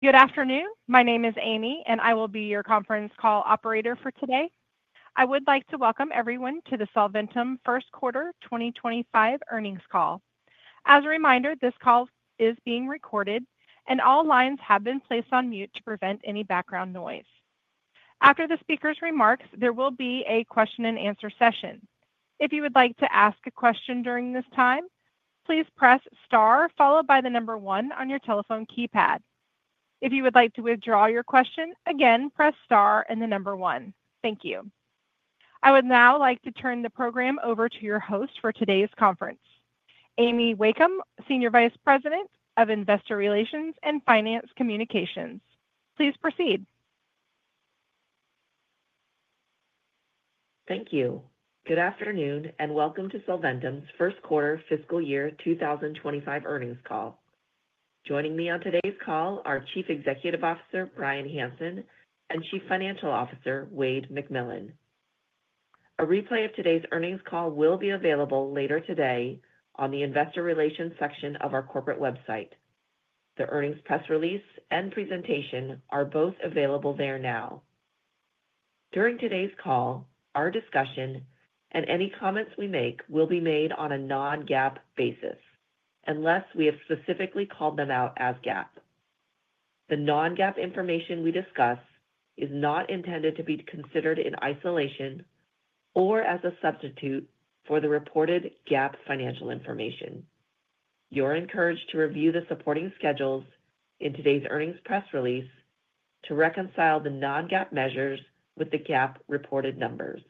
Good afternoon. My name is Amy, and I will be your conference call operator for today. I would like to welcome everyone to the Solventum First Quarter 2025 earnings call. As a reminder, this call is being recorded, and all lines have been placed on mute to prevent any background noise. After the speaker's remarks, there will be a question-and-answer session. If you would like to ask a question during this time, please press star followed by the number one on your telephone keypad. If you would like to withdraw your question, again, press star and the number one. Thank you. I would now like to turn the program over to your host for today's conference, Amy Wakeham, Senior Vice President of Investor Relations and Finance Communications. Please proceed. Thank you. Good afternoon and welcome to Solventum's First Quarter Fiscal Year 2025 earnings call. Joining me on today's call are Chief Executive Officer Bryan Hanson and Chief Financial Officer Wayde McMillan. A replay of today's earnings call will be available later today on the Investor Relations section of our corporate website. The earnings press release and presentation are both available there now. During today's call, our discussion and any comments we make will be made on a non-GAAP basis unless we have specifically called them out as GAAP. The non-GAAP information we discuss is not intended to be considered in isolation or as a substitute for the reported GAAP financial information. You're encouraged to review the supporting schedules in today's earnings press release to reconcile the non-GAAP measures with the GAAP reported numbers.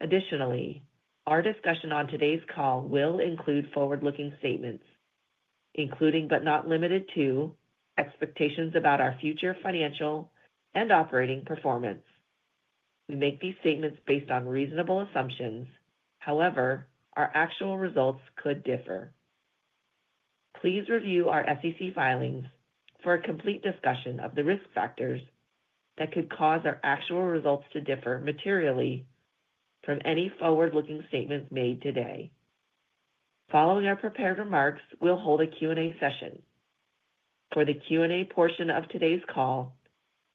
Additionally, our discussion on today's call will include forward-looking statements, including but not limited to expectations about our future financial and operating performance. We make these statements based on reasonable assumptions. However, our actual results could differ. Please review our SEC filings for a complete discussion of the risk factors that could cause our actual results to differ materially from any forward-looking statements made today. Following our prepared remarks, we'll hold a Q&A session. For the Q&A portion of today's call,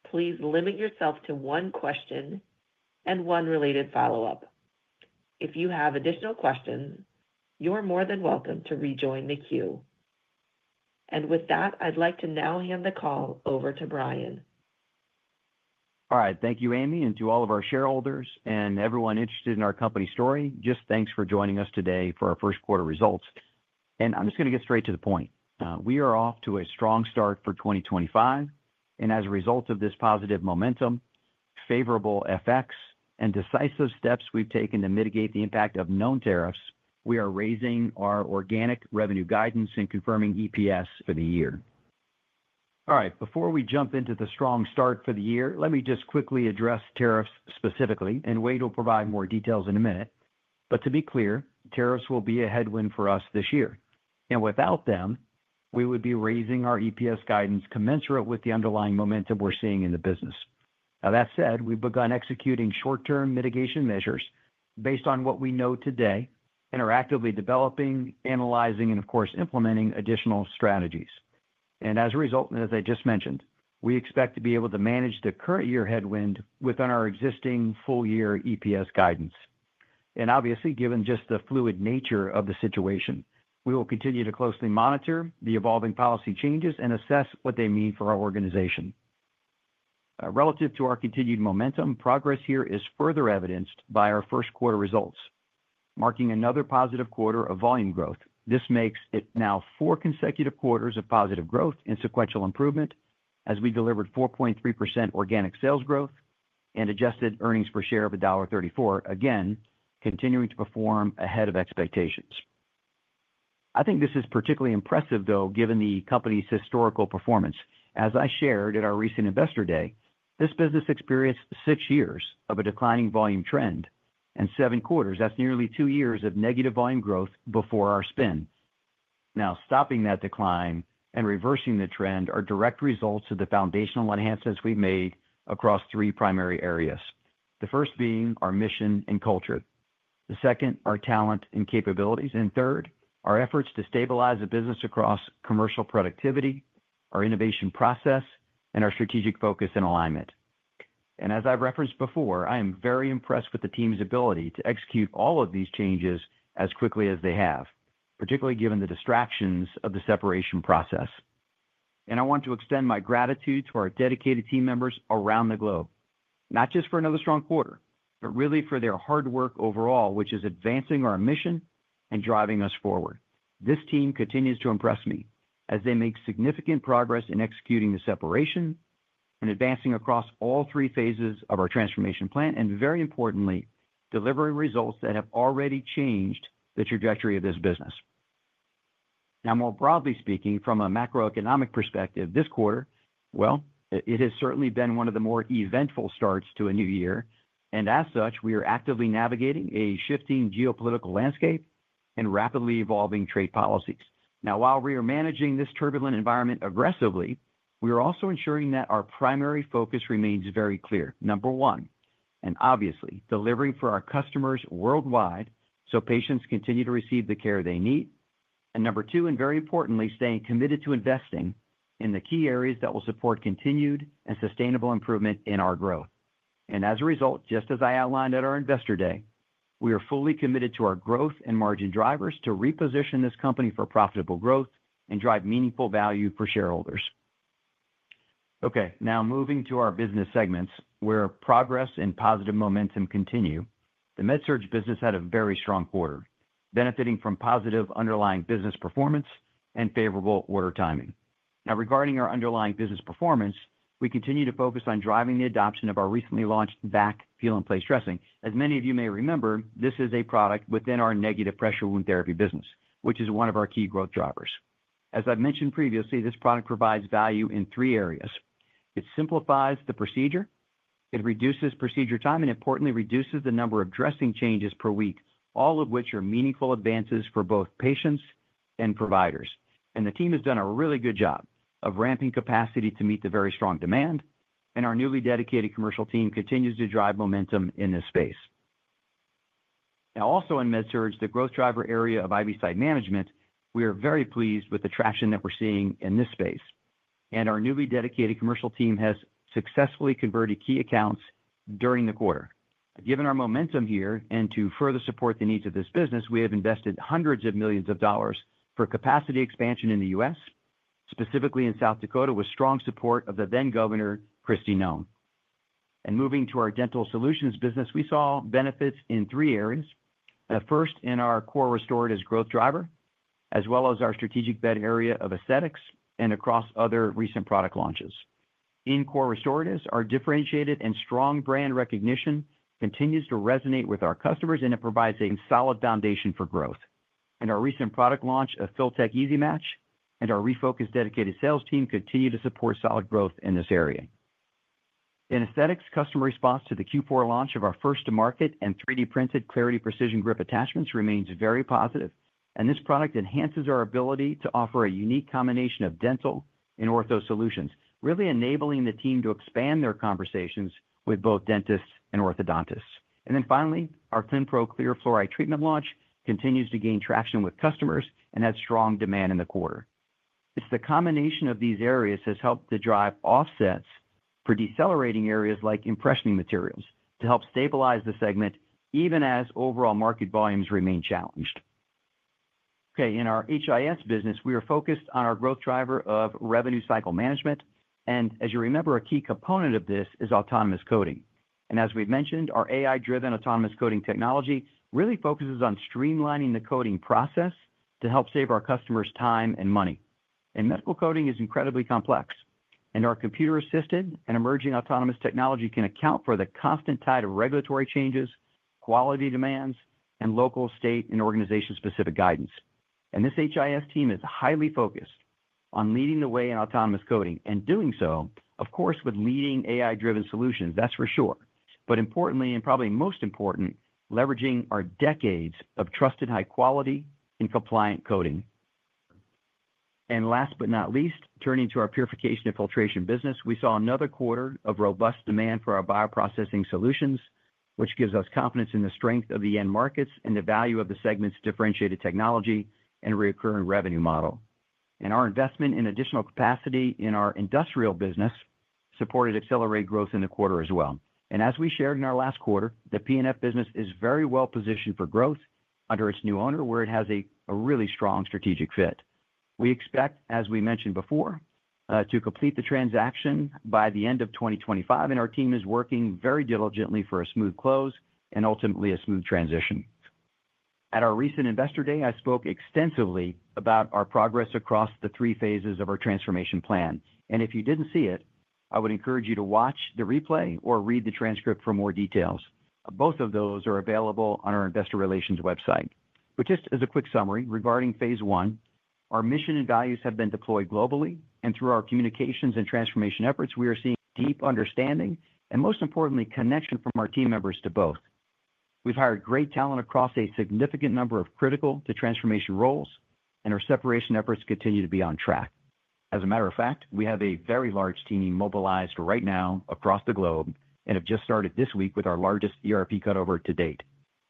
please limit yourself to one question and one related follow-up. If you have additional questions, you're more than welcome to rejoin the queue. And with that, I'd like to now hand the call over to Bryan. All right. Thank you, Amy, and to all of our shareholders and everyone interested in our company story, just thanks for joining us today for our first quarter results. And I'm just going to get straight to the point. We are off to a strong start for 2025. And as a result of this positive momentum, favorable effects, and decisive steps we've taken to mitigate the impact of known tariffs, we are raising our organic revenue guidance and confirming EPS for the year. All right. Before we jump into the strong start for the year, let me just quickly address tariffs specifically, and Wayde will provide more details in a minute. But to be clear, tariffs will be a headwind for us this year. And without them, we would be raising our EPS guidance commensurate with the underlying momentum we're seeing in the business. Now, that said, we've begun executing short-term mitigation measures based on what we know today, and are actively developing, analyzing, and of course, implementing additional strategies, and as a result, as I just mentioned, we expect to be able to manage the current year headwind within our existing full-year EPS guidance, and obviously, given just the fluid nature of the situation, we will continue to closely monitor the evolving policy changes and assess what they mean for our organization. Relative to our continued momentum, progress here is further evidenced by our first quarter results, marking another positive quarter of volume growth. This makes it now four consecutive quarters of positive growth and sequential improvement as we delivered 4.3% organic sales growth and adjusted earnings per share of $1.34, again, continuing to perform ahead of expectations. I think this is particularly impressive, though, given the company's historical performance. As I shared at our recent investor day, this business experienced six years of a declining volume trend and seven quarters. That's nearly two years of negative volume growth before our spin. Now, stopping that decline and reversing the trend are direct results of the foundational enhancements we've made across three primary areas. The first being our mission and culture. The second, our talent and capabilities. And third, our efforts to stabilize a business across commercial productivity, our innovation process, and our strategic focus and alignment. And as I've referenced before, I am very impressed with the team's ability to execute all of these changes as quickly as they have, particularly given the distractions of the separation process. I want to extend my gratitude to our dedicated team members around the globe, not just for another strong quarter, but really for their hard work overall, which is advancing our mission and driving us forward. This team continues to impress me as they make significant progress in executing the separation and advancing across all three phases of our transformation plan, and very importantly, delivering results that have already changed the trajectory of this business. Now, more broadly speaking, from a macroeconomic perspective, this quarter, well, it has certainly been one of the more eventful starts to a new year. As such, we are actively navigating a shifting geopolitical landscape and rapidly evolving trade policies. Now, while we are managing this turbulent environment aggressively, we are also ensuring that our primary focus remains very clear. Number one, and obviously, delivering for our customers worldwide so patients continue to receive the care they need. And number two, and very importantly, staying committed to investing in the key areas that will support continued and sustainable improvement in our growth. And as a result, just as I outlined at our investor day, we are fully committed to our growth and margin drivers to reposition this company for profitable growth and drive meaningful value for shareholders. Okay. Now, moving to our business segments, where progress and positive momentum continue, the MedSurg business had a very strong quarter, benefiting from positive underlying business performance and favorable order timing. Now, regarding our underlying business performance, we continue to focus on driving the adoption of our recently launched V.A.C. Peel and Place dressing. As many of you may remember, this is a product within our negative pressure wound therapy business, which is one of our key growth drivers. As I've mentioned previously, this product provides value in three areas. It simplifies the procedure, it reduces procedure time, and importantly, reduces the number of dressing changes per week, all of which are meaningful advances for both patients and providers, and the team has done a really good job of ramping capacity to meet the very strong demand, and our newly dedicated commercial team continues to drive momentum in this space. Now, also in MedSurg, the growth driver area of IV site management, we are very pleased with the traction that we're seeing in this space, and our newly dedicated commercial team has successfully converted key accounts during the quarter. Given our momentum here, and to further support the needs of this business, we have invested hundreds of millions of dollars for capacity expansion in the U.S., specifically in South Dakota, with strong support of the then-Governor Kristi Noem. And moving to our Dental Solutions business, we saw benefits in three areas. The first in our core restorative growth driver, as well as our strategic bet area of aesthetics and across other recent product launches. In core restoratives, our differentiated and strong brand recognition continues to resonate with our customers, and it provides a solid foundation for growth. And our recent product launch of Filtek Easy Match and our refocused dedicated sales team continue to support solid growth in this area. In aesthetics, customer response to the Q4 launch of our first-to-market and 3D printed Clarity Precision Grip attachments remains very positive. And this product enhances our ability to offer a unique combination of dental and ortho solutions, really enabling the team to expand their conversations with both dentists and orthodontists. And then finally, our Clinpro Clear Fluoride Treatment launch continues to gain traction with customers and has strong demand in the quarter. It's the combination of these areas that has helped to drive offsets for decelerating areas like impressioning materials to help stabilize the segment, even as overall market volumes remain challenged. Okay. In our HIS business, we are focused on our growth driver of revenue cycle management. And as you remember, a key component of this is autonomous coding. And as we've mentioned, our AI-driven autonomous coding technology really focuses on streamlining the coding process to help save our customers time and money. And medical coding is incredibly complex. And our computer-assisted and emerging autonomous technology can account for the constant tide of regulatory changes, quality demands, and local state and organization-specific guidance. And this HIS team is highly focused on leading the way in autonomous coding. And doing so, of course, with leading AI-driven solutions, that's for sure. But importantly, and probably most important, leveraging our decades of trusted high-quality and compliant coding. And last but not least, turning to our Purification and Filtration business, we saw another quarter of robust demand for our bioprocessing solutions, which gives us confidence in the strength of the end markets and the value of the segment's differentiated technology and recurring revenue model. And our investment in additional capacity in our industrial business supported accelerated growth in the quarter as well. And as we shared in our last quarter, the P&F business is very well positioned for growth under its new owner, where it has a really strong strategic fit. We expect, as we mentioned before, to complete the transaction by the end of 2025. And our team is working very diligently for a smooth close and ultimately a smooth transition. At our recent investor day, I spoke extensively about our progress across the three phases of our transformation plan. And if you didn't see it, I would encourage you to watch the replay or read the transcript for more details. Both of those are available on our investor relations website. But just as a quick summary regarding phase one, our mission and values have been deployed globally. And through our communications and transformation efforts, we are seeing deep understanding and, most importantly, connection from our team members to both. We've hired great talent across a significant number of critical-to-transformation roles, and our separation efforts continue to be on track. As a matter of fact, we have a very large team mobilized right now across the globe and have just started this week with our largest ERP cutover to date,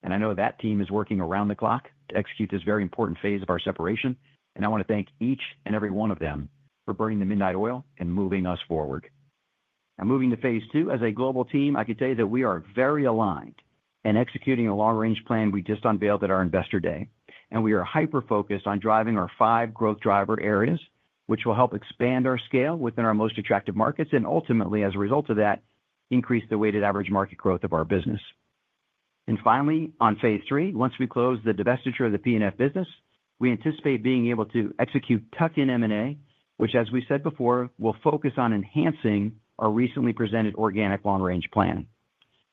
and I know that team is working around the clock to execute this very important phase of our separation, and I want to thank each and every one of them for burning the midnight oil and moving us forward, now moving to phase two, as a global team, I can tell you that we are very aligned in executing a long-range plan we just unveiled at our Investor Day. We are hyper-focused on driving our five growth driver areas, which will help expand our scale within our most attractive markets and ultimately, as a result of that, increase the weighted average market growth of our business. Finally, on phase three, once we close the divestiture of the P&F business, we anticipate being able to execute tuck-in M&A, which, as we said before, will focus on enhancing our recently presented organic long-range plan.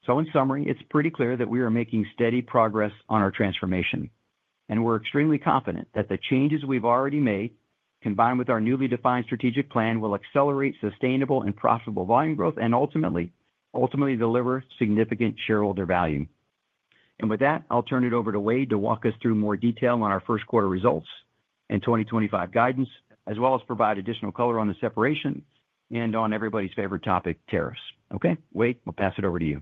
In summary, it's pretty clear that we are making steady progress on our transformation. We're extremely confident that the changes we've already made, combined with our newly defined strategic plan, will accelerate sustainable and profitable volume growth and ultimately deliver significant shareholder value. And with that, I'll turn it over to Wayde to walk us through more detail on our first quarter results and 2025 guidance, as well as provide additional color on the separation and on everybody's favorite topic, tariffs. Okay, Wayde, we'll pass it over to you.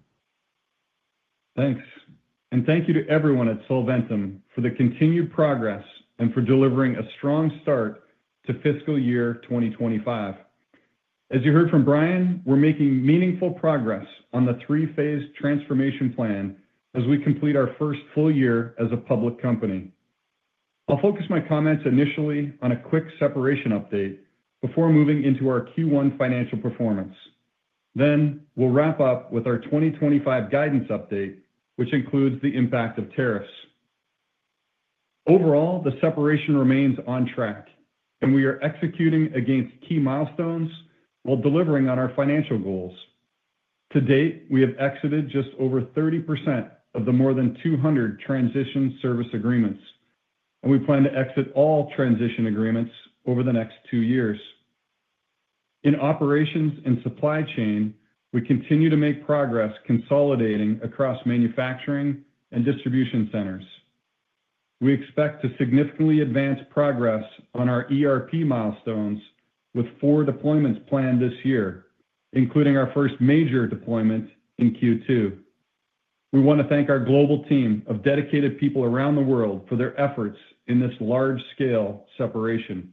Thanks. And thank you to everyone at Solventum for the continued progress and for delivering a strong start to fiscal year 2025. As you heard from Bryan, we're making meaningful progress on the three-phase transformation plan as we complete our first full year as a public company. I'll focus my comments initially on a quick separation update before moving into our Q1 financial performance. Then we'll wrap up with our 2025 guidance update, which includes the impact of tariffs. Overall, the separation remains on track, and we are executing against key milestones while delivering on our financial goals. To date, we have exited just over 30% of the more than 200 transition service agreements, and we plan to exit all transition agreements over the next two years. In operations and supply chain, we continue to make progress consolidating across manufacturing and distribution centers. We expect to significantly advance progress on our ERP milestones with four deployments planned this year, including our first major deployment in Q2. We want to thank our global team of dedicated people around the world for their efforts in this large-scale separation.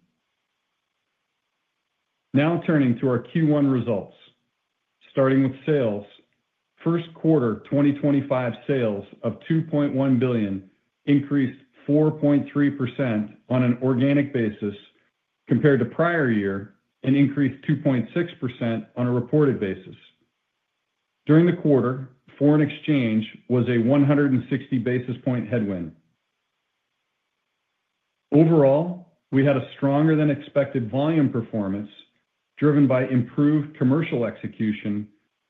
Now, turning to our Q1 results, starting with sales, first quarter 2025 sales of $2.1 billion increased 4.3% on an organic basis compared to prior year and increased 2.6% on a reported basis. During the quarter, foreign exchange was a 160 basis point headwind. Overall, we had a stronger-than-expected volume performance driven by improved commercial execution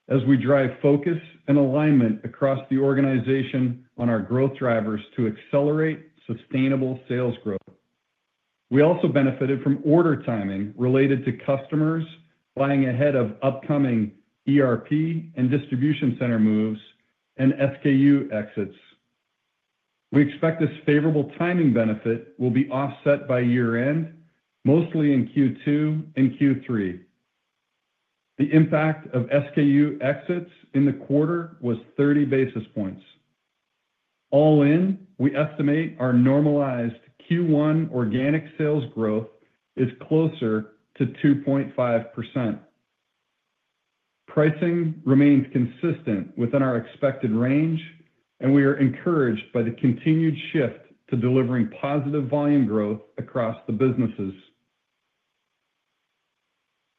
as we drive focus and alignment across the organization on our growth drivers to accelerate sustainable sales growth. We also benefited from order timing related to customers buying ahead of upcoming ERP and distribution center moves and SKU exits. We expect this favorable timing benefit will be offset by year-end, mostly in Q2 and Q3. The impact of SKU exits in the quarter was 30 basis points. All in, we estimate our normalized Q1 organic sales growth is closer to 2.5%. Pricing remains consistent within our expected range, and we are encouraged by the continued shift to delivering positive volume growth across the businesses.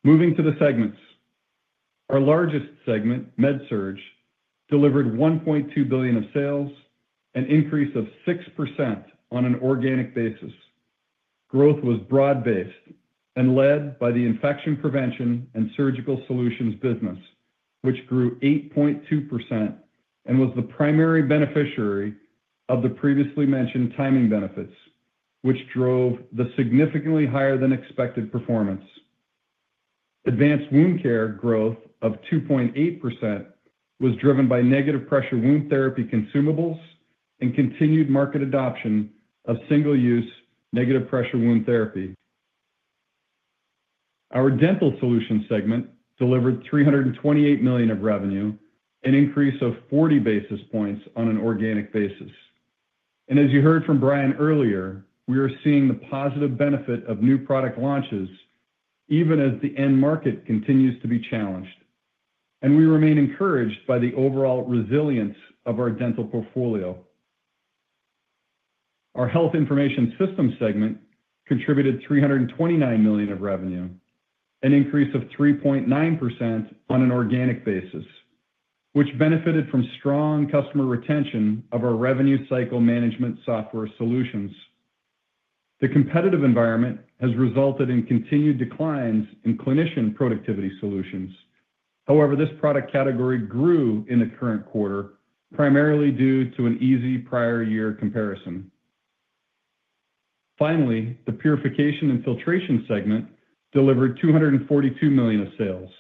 Moving to the segments, our largest segment, MedSurg, delivered $1.2 billion of sales, an increase of 6% on an organic basis. Growth was broad-based and led by the infection prevention and surgical solutions business, which grew 8.2% and was the primary beneficiary of the previously mentioned timing benefits, which drove the significantly higher-than-expected performance. Advanced wound care growth of 2.8% was driven by negative pressure wound therapy consumables and continued market adoption of single-use negative pressure wound therapy. Our Dental Solutions segment delivered $328 million of revenue, an increase of 40 basis points on an organic basis. As you heard from Bryan earlier, we are seeing the positive benefit of new product launches even as the end market continues to be challenged. We remain encouraged by the overall resilience of our dental portfolio. Our Health Information Systems segment contributed $329 million of revenue, an increase of 3.9% on an organic basis, which benefited from strong customer retention of our revenue cycle management software solutions. The competitive environment has resulted in continued declines in clinician productivity solutions. However, this product category grew in the current quarter, primarily due to an easy prior year comparison. Finally, the Purification and Filtration segment delivered $242 million of sales,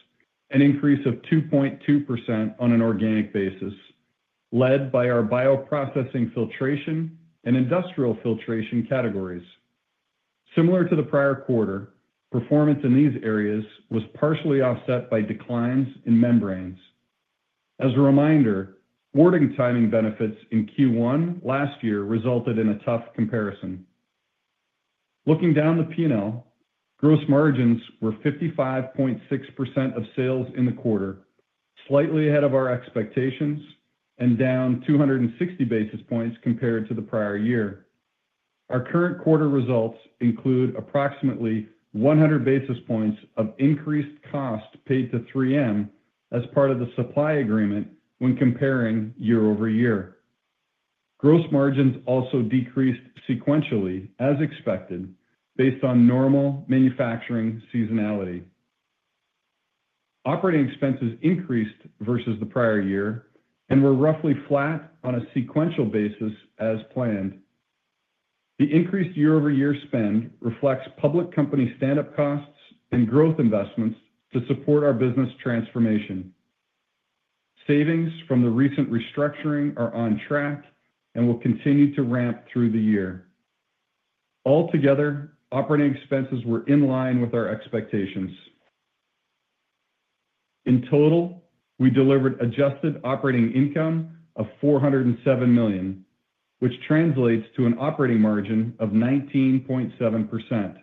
an increase of 2.2% on an organic basis, led by our bioprocessing filtration and industrial filtration categories. Similar to the prior quarter, performance in these areas was partially offset by declines in membranes. As a reminder, ordering timing benefits in Q1 last year resulted in a tough comparison. Looking down the P&L, gross margins were 55.6% of sales in the quarter, slightly ahead of our expectations and down 260 basis points compared to the prior year. Our current quarter results include approximately 100 basis points of increased cost paid to 3M as part of the supply agreement when comparing year over year. Gross margins also decreased sequentially, as expected, based on normal manufacturing seasonality. Operating expenses increased versus the prior year and were roughly flat on a sequential basis as planned. The increased year-over-year spend reflects public company stand-up costs and growth investments to support our business transformation. Savings from the recent restructuring are on track and will continue to ramp through the year. Altogether, operating expenses were in line with our expectations. In total, we delivered adjusted operating income of $407 million, which translates to an operating margin of 19.7%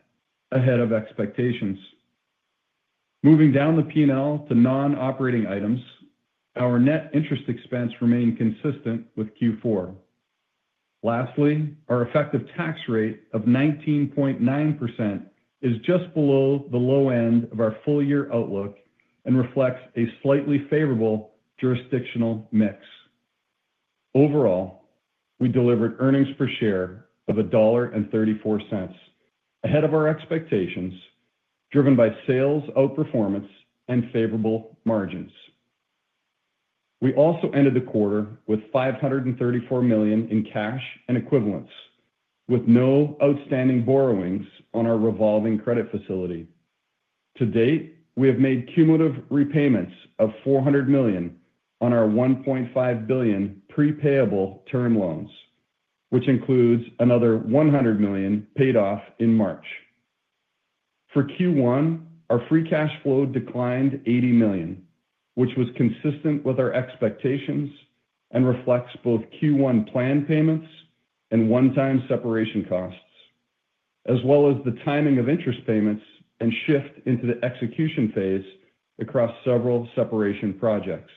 ahead of expectations. Moving down the P&L to non-operating items, our net interest expense remained consistent with Q4. Lastly, our effective tax rate of 19.9% is just below the low end of our full-year outlook and reflects a slightly favorable jurisdictional mix. Overall, we delivered earnings per share of $1.34, ahead of our expectations, driven by sales outperformance and favorable margins. We also ended the quarter with $534 million in cash and equivalents, with no outstanding borrowings on our revolving credit facility. To date, we have made cumulative repayments of $400 million on our $1.5 billion prepayable term loans, which includes another $100 million paid off in March. For Q1, our free cash flow declined $80 million, which was consistent with our expectations and reflects both Q1 planned payments and one-time separation costs, as well as the timing of interest payments and shift into the execution phase across several separation projects.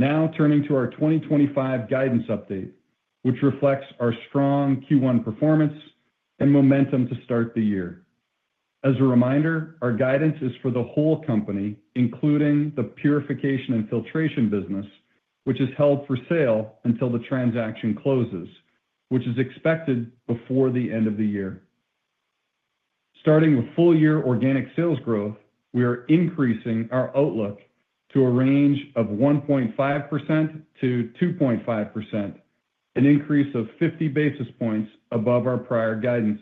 Now, turning to our 2025 guidance update, which reflects our strong Q1 performance and momentum to start the year. As a reminder, our guidance is for the whole company, including the Purification and Filtration business, which is held for sale until the transaction closes, which is expected before the end of the year. Starting with full-year organic sales growth, we are increasing our outlook to a range of 1.5%-2.5%, an increase of 50 basis points above our prior guidance.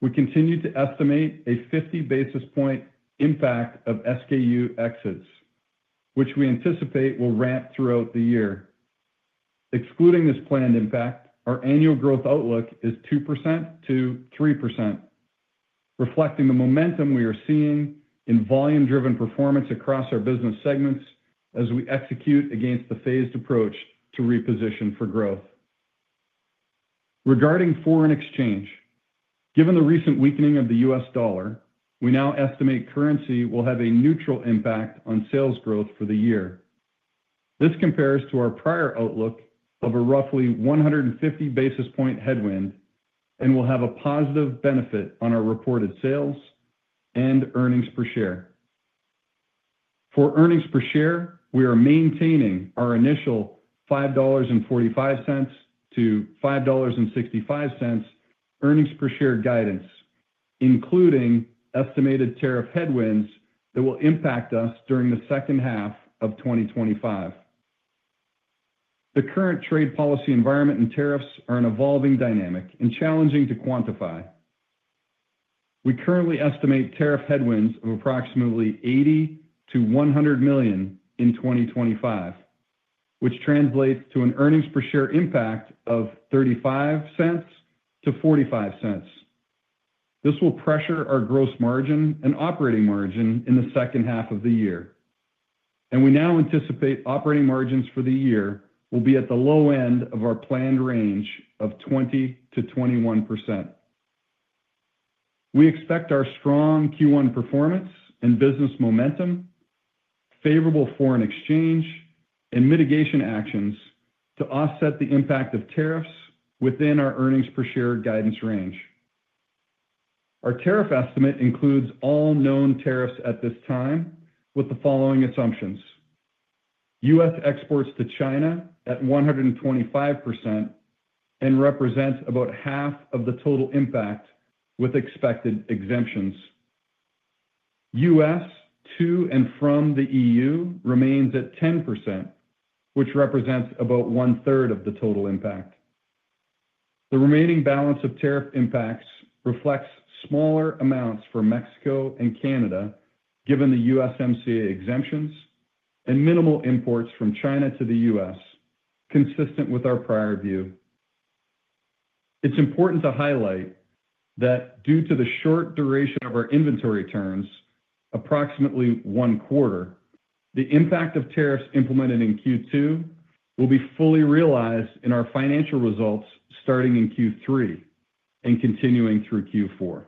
We continue to estimate a 50 basis point impact of SKU exits, which we anticipate will ramp throughout the year. Excluding this planned impact, our annual growth outlook is 2%-3%, reflecting the momentum we are seeing in volume-driven performance across our business segments as we execute against the phased approach to reposition for growth. Regarding foreign exchange, given the recent weakening of the US dollar, we now estimate currency will have a neutral impact on sales growth for the year. This compares to our prior outlook of a roughly 150 basis point headwind and will have a positive benefit on our reported sales and earnings per share. For earnings per share, we are maintaining our initial $5.45-$5.65 earnings per share guidance, including estimated tariff headwinds that will impact us during the second half of 2025. The current trade policy environment and tariffs are an evolving dynamic and challenging to quantify. We currently estimate tariff headwinds of approximately $80 million-$100 million in 2025, which translates to an Earnings Per Share impact of $0.35-$0.45. This will pressure our gross margin and operating margin in the second half of the year. We now anticipate operating margins for the year will be at the low end of our planned range of 20%-21%. We expect our strong Q1 performance and business momentum, favorable foreign exchange, and mitigation actions to offset the impact of tariffs within our Earnings Per Share guidance range. Our tariff estimate includes all known tariffs at this time with the following assumptions: U.S. exports to China at 125% and represents about half of the total impact with expected exemptions. U.S. to and from the E.U. remains at 10%, which represents about one-third of the total impact. The remaining balance of tariff impacts reflects smaller amounts for Mexico and Canada given the USMCA exemptions and minimal imports from China to the U.S., consistent with our prior view. It's important to highlight that due to the short duration of our inventory turns, approximately one quarter, the impact of tariffs implemented in Q2 will be fully realized in our financial results starting in Q3 and continuing through Q4.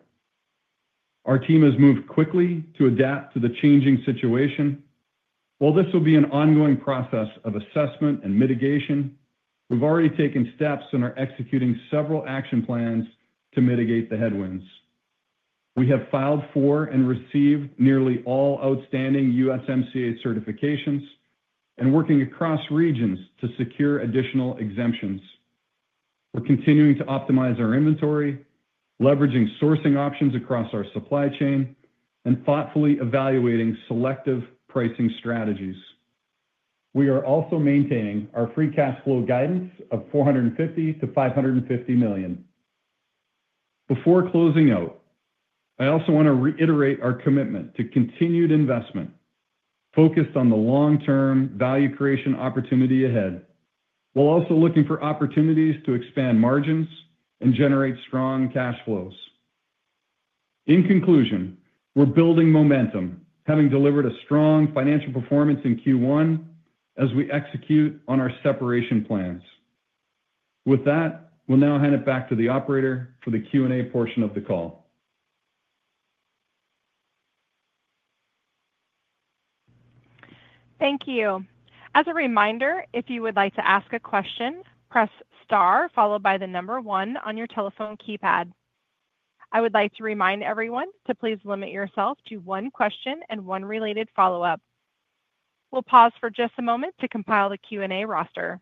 Our team has moved quickly to adapt to the changing situation. While this will be an ongoing process of assessment and mitigation, we've already taken steps and are executing several action plans to mitigate the headwinds. We have filed for and received nearly all outstanding USMCA certifications and are working across regions to secure additional exemptions. We're continuing to optimize our inventory, leveraging sourcing options across our supply chain, and thoughtfully evaluating selective pricing strategies. We are also maintaining our free cash flow guidance of $450 million-$550 million. Before closing out, I also want to reiterate our commitment to continued investment focused on the long-term value creation opportunity ahead, while also looking for opportunities to expand margins and generate strong cash flows. In conclusion, we're building momentum, having delivered a strong financial performance in Q1 as we execute on our separation plans. With that, we'll now hand it back to the operator for the Q&A portion of the call. Thank you. As a reminder, if you would like to ask a question, press star followed by the number one on your telephone keypad. I would like to remind everyone to please limit yourself to one question and one related follow-up. We'll pause for just a moment to compile the Q&A roster.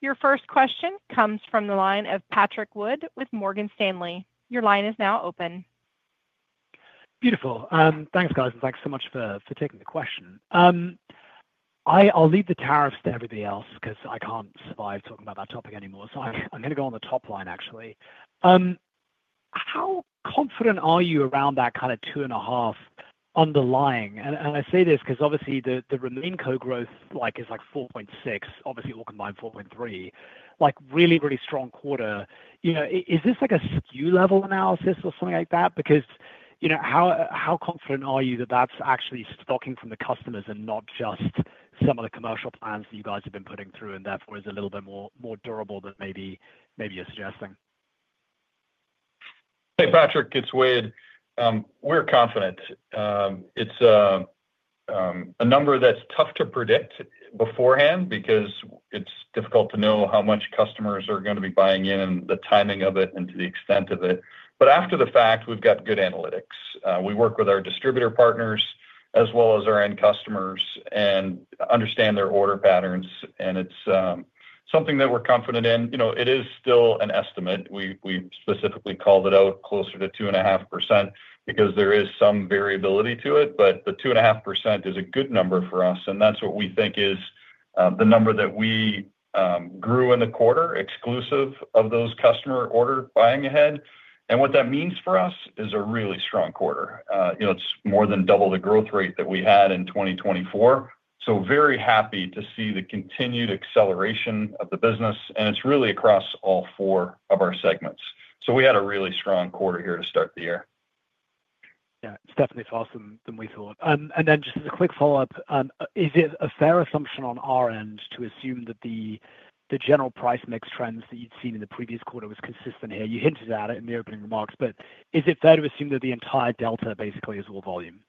Your first question comes from the line of Patrick Wood with Morgan Stanley. Your line is now open. Beautiful. Thanks, guys. And thanks so much for taking the question. I'll leave the tariffs to everybody else because I can't survive talking about that topic anymore. So I'm going to go on the top line, actually. How confident are you around that kind of two and a half underlying? And I say this because obviously the remaining core growth is like 4.6, obviously all combined 4.3, really, really strong quarter. Is this like a SKU level analysis or something like that? Because how confident are you that that's actually stocking from the customers and not just some of the commercial plans that you guys have been putting through and therefore is a little bit more durable than maybe you're suggesting? Hey, Patrick, it's Wayde. We're confident. It's a number that's tough to predict beforehand because it's difficult to know how much customers are going to be buying in and the timing of it and to the extent of it. But after the fact, we've got good analytics. We work with our distributor partners as well as our end customers and understand their order patterns. And it's something that we're confident in. It is still an estimate. We specifically called it out closer to 2.5% because there is some variability to it. But the 2.5% is a good number for us. And that's what we think is the number that we grew in the quarter exclusive of those customer order buying ahead. And what that means for us is a really strong quarter. It's more than double the growth rate that we had in 2024.So very happy to see the continued acceleration of the business. And it's really across all four of our segments. So we had a really strong quarter here to start the year. Yeah, it's definitely faster than we thought. And then just as a quick follow-up, is it a fair assumption on our end to assume that the general price mix trends that you'd seen in the previous quarter was consistent here? You hinted at it in the opening remarks. But is it fair to assume that the entire delta basically is all volume?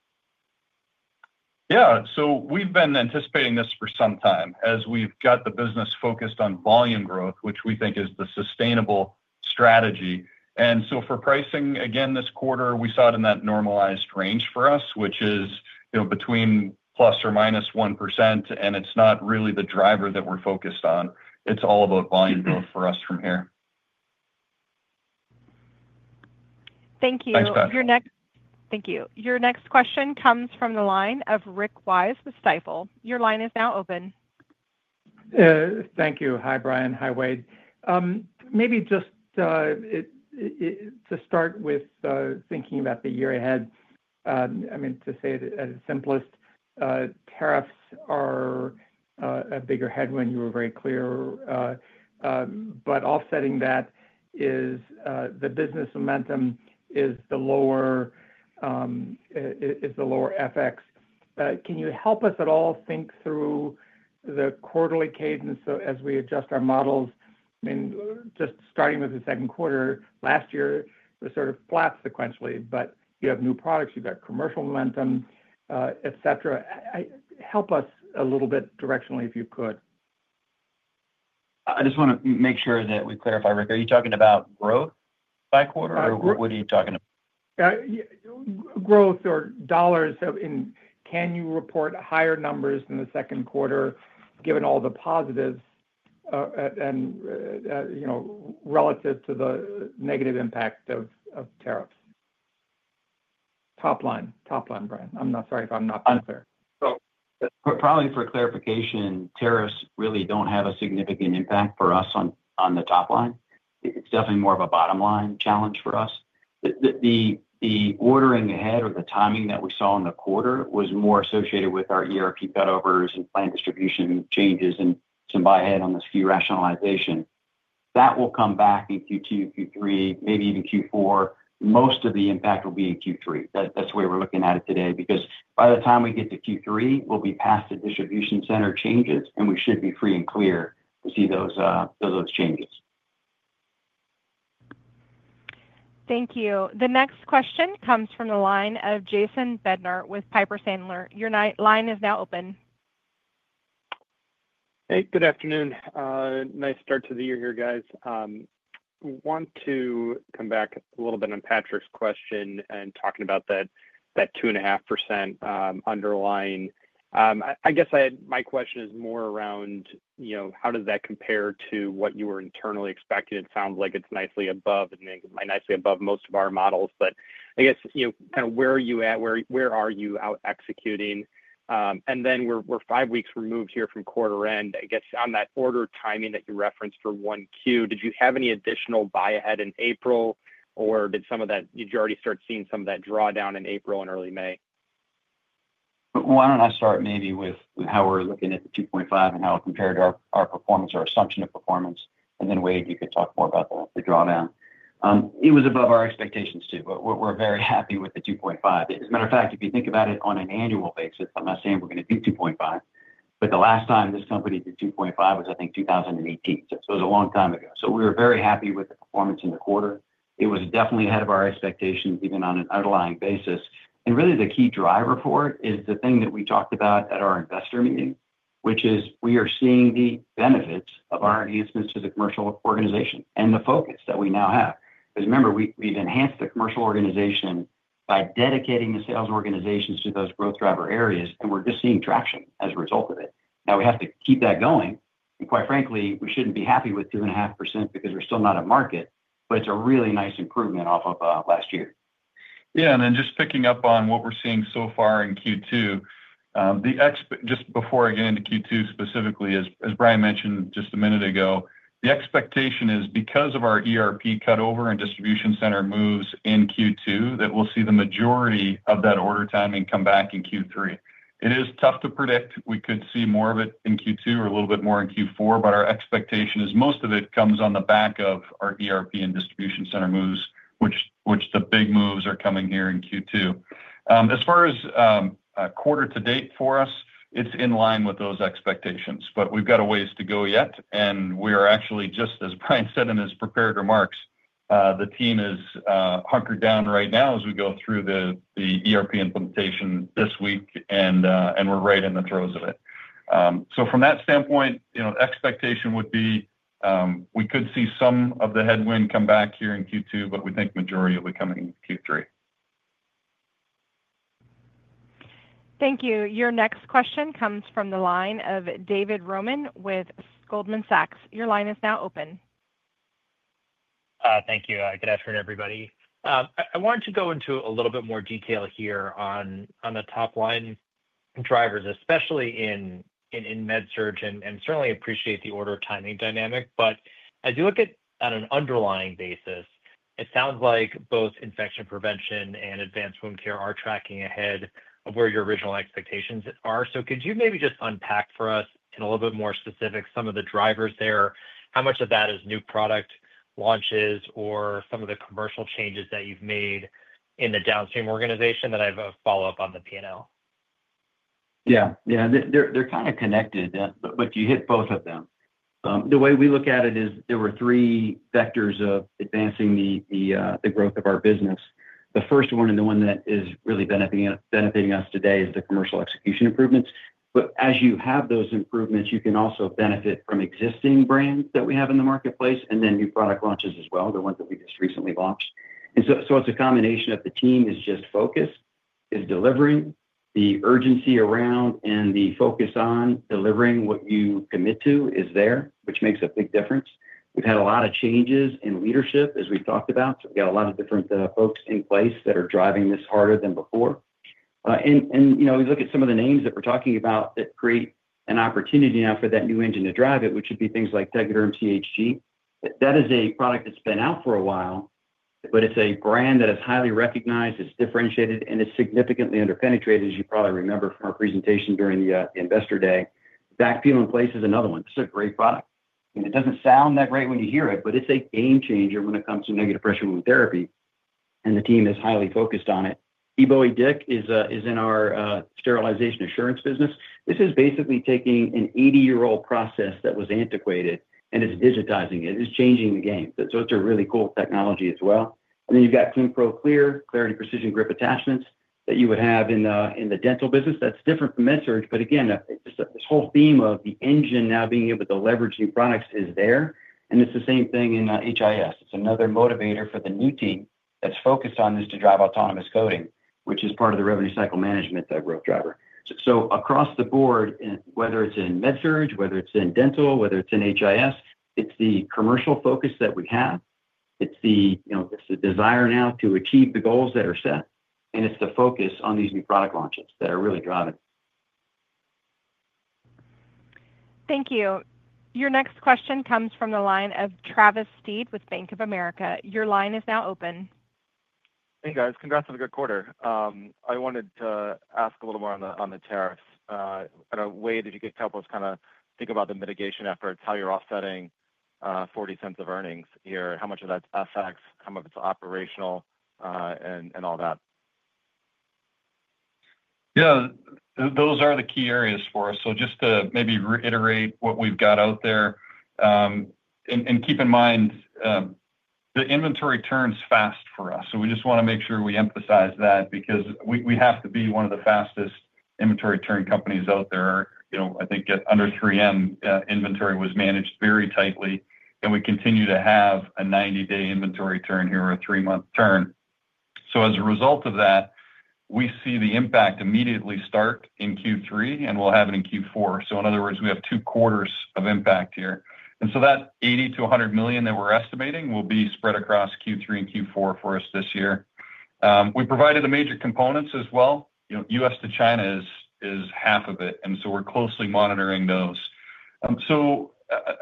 Yeah, so we've been anticipating this for some time as we've got the business focused on volume growth, which we think is the sustainable strategy, and so for pricing, again, this quarter, we saw it in that normalized range for us, which is between plus or minus 1%, and it's not really the driver that we're focused on. It's all about volume growth for us from here. Thank you. Thanks, guys. Your next question comes from the line of Rick Wise with Stifel. Your line is now open. Thank you. Hi, Bryan. Hi, Wayde. Maybe just to start with thinking about the year ahead, I mean, to say it at its simplest, tariffs are a bigger headwind. You were very clear. But offsetting that is the business momentum is the lower FX. Can you help us at all think through the quarterly cadence as we adjust our models? I mean, just starting with the second quarter, last year was sort of flat sequentially, but you have new products, you've got commercial momentum, etc. Help us a little bit directionally if you could. I just want to make sure that we clarify, Rick, are you talking about growth by quarter or what are you talking about? Growth or dollars in, can you report higher numbers in the second quarter given all the positives relative to the negative impact of tariffs? Top line, top line, Bryan. I'm sorry if I'm not being clear. So probably for clarification, tariffs really don't have a significant impact for us on the top line. It's definitely more of a bottom line challenge for us. The ordering ahead or the timing that we saw in the quarter was more associated with our ERP cutovers and planned distribution changes and some buy ahead on the SKU rationalization. That will come back in Q2, Q3, maybe even Q4. Most of the impact will be in Q3. That's the way we're looking at it today because by the time we get to Q3, we'll be past the distribution center changes, and we should be free and clear to see those changes. Thank you. The next question comes from the line of Jason Bednar with Piper Sandler. Your line is now open. Hey, good afternoon. Nice start to the year here, guys. I want to come back a little bit on Patrick's question and talking about that 2.5% underlying. I guess my question is more around how does that compare to what you were internally expecting? It sounds like it's nicely above and nicely above most of our models. But I guess kind of where are you at? Where are you out executing? And then we're five weeks removed here from quarter end. I guess on that order timing that you referenced for one Q, did you have any additional buy ahead in April, or did some of that, did you already start seeing some of that drawdown in April and early May? Why don't I start maybe with how we're looking at the 2.5 and how it compared to our performance or assumption of performance? And then, Wayde, you could talk more about the drawdown. It was above our expectations too. We're very happy with the 2.5. As a matter of fact, if you think about it on an annual basis, I'm not saying we're going to beat 2.5. But the last time this company did 2.5 was, I think, 2018. So it was a long time ago. So we were very happy with the performance in the quarter. It was definitely ahead of our expectations, even on an underlying basis. And really, the key driver for it is the thing that we talked about at our investor meeting, which is we are seeing the benefits of our enhancements to the commercial organization and the focus that we now have. Because remember, we've enhanced the commercial organization by dedicating the sales organizations to those growth driver areas, and we're just seeing traction as a result of it. Now, we have to keep that going. And quite frankly, we shouldn't be happy with 2.5% because we're still not at market, but it's a really nice improvement off of last year. Yeah. And then just picking up on what we're seeing so far in Q2, just before I get into Q2 specifically, as Bryan mentioned just a minute ago, the expectation is because of our ERP cutover and distribution center moves in Q2 that we'll see the majority of that order timing come back in Q3. It is tough to predict. We could see more of it in Q2 or a little bit more in Q4, but our expectation is most of it comes on the back of our ERP and distribution center moves, which the big moves are coming here in Q2. As far as quarter to date for us, it's in line with those expectations, but we've got a ways to go yet. And we are actually, just as Bryan said in his prepared remarks, the team is hunkered down right now as we go through the ERP implementation this week, and we're right in the throes of it. So from that standpoint, expectation would be we could see some of the headwind come back here in Q2, but we think the majority will be coming in Q3. Thank you. Your next question comes from the line of David Roman with Goldman Sachs. Your line is now open. Thank you. Good afternoon, everybody. I wanted to go into a little bit more detail here on the top line drivers, especially in MedSurg, and certainly appreciate the order timing dynamic, but as you look at an underlying basis, it sounds like both infection prevention and advanced wound care are tracking ahead of where your original expectations are. So could you maybe just unpack for us in a little bit more specific some of the drivers there? How much of that is new product launches or some of the commercial changes that you've made in the downstream organization that I have a follow-up on the P&L? Yeah. Yeah. They're kind of connected, but you hit both of them. The way we look at it is there were three vectors of advancing the growth of our business. The first one and the one that is really benefiting us today is the commercial execution improvements. But as you have those improvements, you can also benefit from existing brands that we have in the marketplace and then new product launches as well, the ones that we just recently launched. And so it's a combination of the team is just focused, is delivering. The urgency around and the focus on delivering what you commit to is there, which makes a big difference. We've had a lot of changes in leadership, as we've talked about. We've got a lot of different folks in place that are driving this harder than before. And we look at some of the names that we're talking about that create an opportunity now for that new engine to drive it, which would be things like Tegaderm CHG. That is a product that's been out for a while, but it's a brand that is highly recognized, is differentiated, and is significantly underpenetrated, as you probably remember from our presentation during the investor day. V.A.C. Peel and Place is another one. This is a great product. And it doesn't sound that great when you hear it, but it's a game changer when it comes to negative pressure wound therapy. And the team is highly focused on it. Bowie-Dick is in our sterilization assurance business. This is basically taking an 80-year-old process that was antiquated and is digitizing it. It is changing the game. So it's a really cool technology as well. And then you've got Clinpro Clear, Clarity Precision Grip attachments that you would have in the dental business. That's different from MedSurg. But again, this whole theme of the engine now being able to leverage new products is there. And it's the same thing in HIS. It's another motivator for the new team that's focused on this to drive autonomous coding, which is part of the revenue cycle management growth driver. So across the board, whether it's in MedSurg, whether it's in dental, whether it's in HIS, it's the commercial focus that we have. It's the desire now to achieve the goals that are set. And it's the focus on these new product launches that are really driving. Thank you. Your next question comes from the line of Travis Steed with Bank of America. Your line is now open. Hey, guys. Congrats on a good quarter. I wanted to ask a little more on the tariffs. I don't know, Wayde, if you could help us kind of think about the mitigation efforts, how you're offsetting $0.40 of earnings here, how much of that affects, how much it's operational, and all that. Yeah. Those are the key areas for us. So just to maybe reiterate what we've got out there. And keep in mind, the inventory turns fast for us. So we just want to make sure we emphasize that because we have to be one of the fastest inventory turn companies out there. I think under 3M, inventory was managed very tightly. And we continue to have a 90-day inventory turn here or a three-month turn. So as a result of that, we see the impact immediately start in Q3, and we'll have it in Q4. So in other words, we have two quarters of impact here. And so that $80 million-$100 million that we're estimating will be spread across Q3 and Q4 for us this year. We provided the major components as well. U.S. to China is half of it. And so we're closely monitoring those. So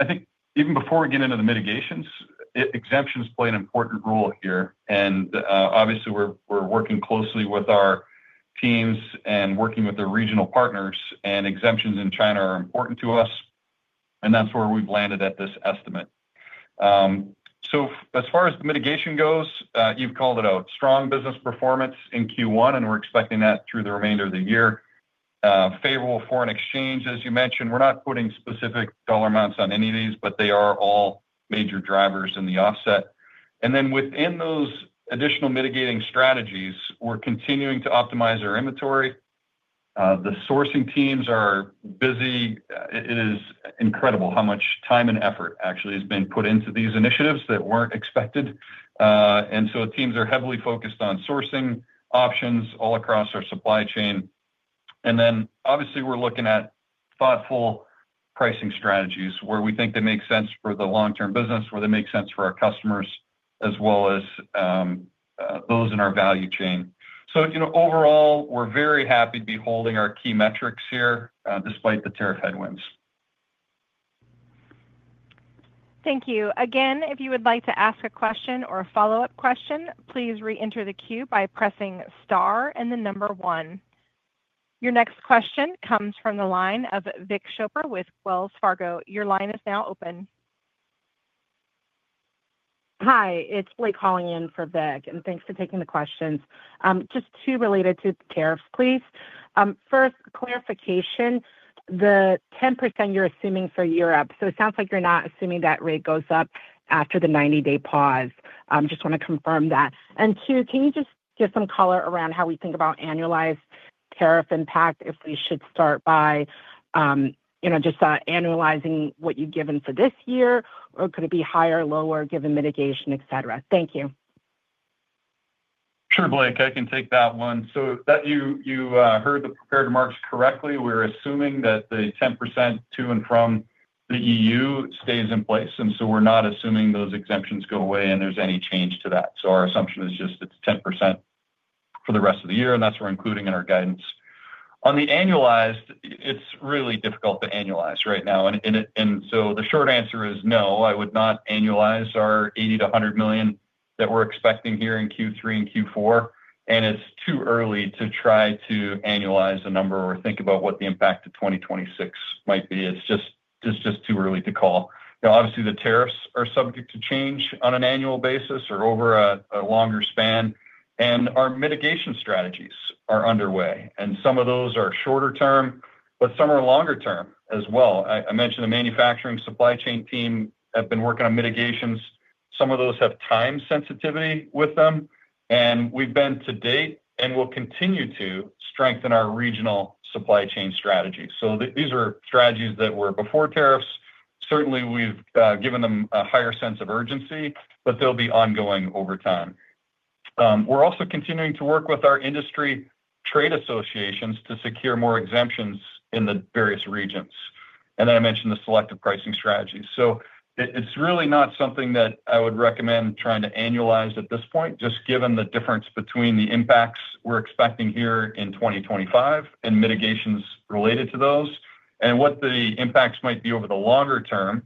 I think even before we get into the mitigations, exemptions play an important role here. And obviously, we're working closely with our teams and working with the regional partners. And exemptions in China are important to us. And that's where we've landed at this estimate. So as far as the mitigation goes, you've called it out. Strong business performance in Q1, and we're expecting that through the remainder of the year. Favorable foreign exchange, as you mentioned. We're not putting specific dollar amounts on any of these, but they are all major drivers in the offset. And then within those additional mitigating strategies, we're continuing to optimize our inventory. The sourcing teams are busy. It is incredible how much time and effort actually has been put into these initiatives that weren't expected. And so teams are heavily focused on sourcing options all across our supply chain. And then obviously, we're looking at thoughtful pricing strategies where we think they make sense for the long-term business, where they make sense for our customers, as well as those in our value chain. So overall, we're very happy to be holding our key metrics here despite the tariff headwinds. Thank you. Again, if you would like to ask a question or a follow-up question, please re-enter the queue by pressing star and the number one. Your next question comes from the line of Vik Chopra with Wells Fargo. Your line is now open. Hi. It's Blake calling in for Vik. And thanks for taking the questions. Just two related to tariffs, please. First, clarification, the 10% you're assuming for Europe. So it sounds like you're not assuming that rate goes up after the 90-day pause. Just want to confirm that. And two, can you just give some color around how we think about annualized tariff impact if we should start by just annualizing what you've given for this year, or could it be higher, lower, given mitigation, etc.? Thank you. Sure, Blake. I can take that one. So you heard the prepared remarks correctly. We're assuming that the 10% to and from the EU stays in place. And so we're not assuming those exemptions go away and there's any change to that. So our assumption is just it's 10% for the rest of the year, and that's what we're including in our guidance. On the annualized, it's really difficult to annualize right now. And so the short answer is no. I would not annualize our $80 million-$100 million that we're expecting here in Q3 and Q4. And it's too early to try to annualize a number or think about what the impact of 2026 might be. It's just too early to call. Obviously, the tariffs are subject to change on an annual basis or over a longer span. And our mitigation strategies are underway. Some of those are shorter term, but some are longer term as well. I mentioned the manufacturing supply chain team have been working on mitigations. Some of those have time sensitivity with them. We've been to date and will continue to strengthen our regional supply chain strategy. These are strategies that were before tariffs. Certainly, we've given them a higher sense of urgency, but they'll be ongoing over time. We're also continuing to work with our industry trade associations to secure more exemptions in the various regions. Then I mentioned the selective pricing strategy. So it's really not something that I would recommend trying to annualize at this point, just given the difference between the impacts we're expecting here in 2025 and mitigations related to those, and what the impacts might be over the longer term,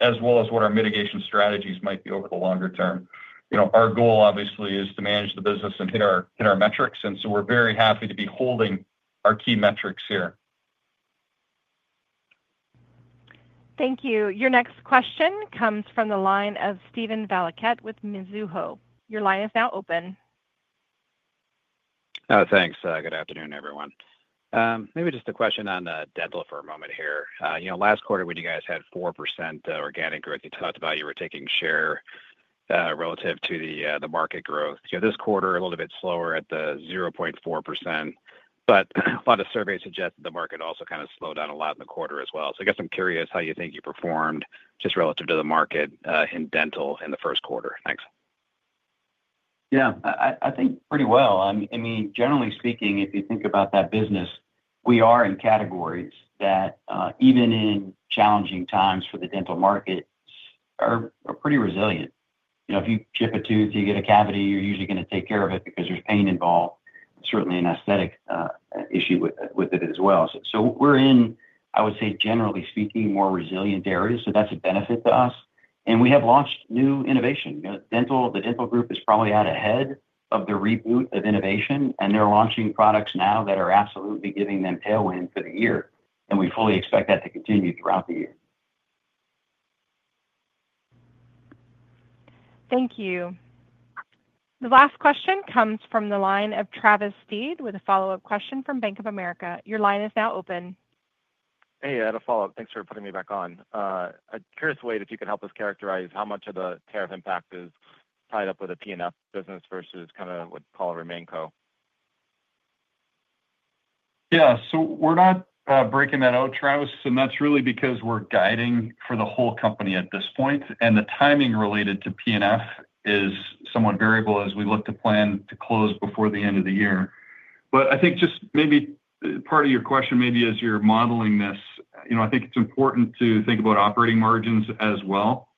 as well as what our mitigation strategies might be over the longer term. Our goal, obviously, is to manage the business and hit our metrics. And so we're very happy to be holding our key metrics here. Thank you. Your next question comes from the line of Steven Valiquette with Mizuho. Your line is now open. Thanks. Good afternoon, everyone. Maybe just a question on dental for a moment here. Last quarter, when you guys had 4% organic growth, you talked about you were taking share relative to the market growth. This quarter, a little bit slower at the 0.4%. But a lot of surveys suggest that the market also kind of slowed down a lot in the quarter as well. So I guess I'm curious how you think you performed just relative to the market in dental in the first quarter. Thanks. Yeah. I think pretty well. I mean, generally speaking, if you think about that business, we are in categories that even in challenging times for the dental market are pretty resilient. If you chip a tooth, you get a cavity, you're usually going to take care of it because there's pain involved. Certainly, an aesthetic issue with it as well. So we're in, I would say, generally speaking, more resilient areas. So that's a benefit to us. And we have launched new innovation. The dental group is probably a tad ahead of the reboot of innovation, and they're launching products now that are absolutely giving them tailwind for the year. And we fully expect that to continue throughout the year. Thank you. The last question comes from the line of Travis Steed with a follow-up question from Bank of America. Your line is now open. Hey, I had a follow-up. Thanks for putting me back on. I'm curious, Wayde, if you could help us characterize how much of the tariff impact is tied up with a P&F business versus kind of what we call a RemainCo. Yeah. So we're not breaking that out, Travis. And that's really because we're guiding for the whole company at this point. And the timing related to P&F is somewhat variable as we look to plan to close before the end of the year. But I think just maybe part of your question as you're modeling this, I think it's important to think about operating margins as well.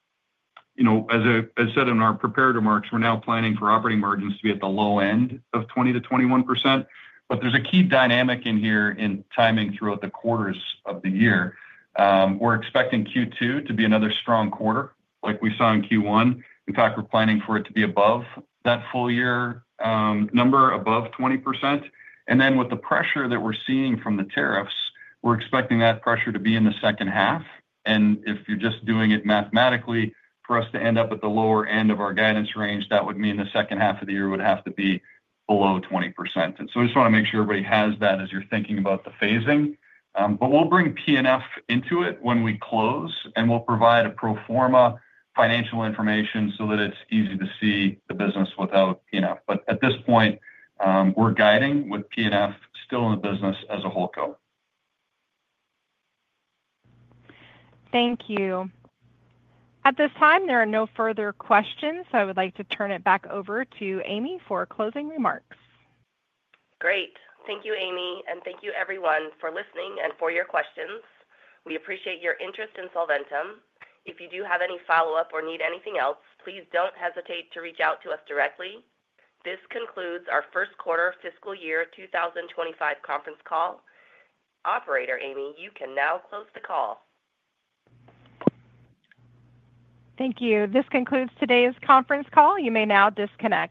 As I said in our prepared remarks, we're now planning for operating margins to be at the low end of 20-21%. But there's a key dynamic in here in timing throughout the quarters of the year. We're expecting Q2 to be another strong quarter like we saw in Q1. In fact, we're planning for it to be above that full-year number, above 20%.And then with the pressure that we're seeing from the tariffs, we're expecting that pressure to be in the second half. And if you're just doing it mathematically, for us to end up at the lower end of our guidance range, that would mean the second half of the year would have to be below 20%. And so I just want to make sure everybody has that as you're thinking about the phasing. But we'll bring P&F into it when we close, and we'll provide pro forma financial information so that it's easy to see the business without P&F. But at this point, we're guiding with P&F still in the business as a WholeCo. Thank you. At this time, there are no further questions. I would like to turn it back over to Amy for closing remarks. Great. Thank you, Amy. And thank you, everyone, for listening and for your questions. We appreciate your interest in Solventum. If you do have any follow-up or need anything else, please don't hesitate to reach out to us directly. This concludes our first quarter of fiscal year 2025 conference call. Operator Amy, you can now close the call. Thank you. This concludes today's conference call. You may now disconnect.